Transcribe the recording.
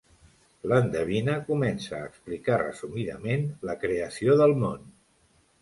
L'endevina comença a explicar resumidament la creació del món.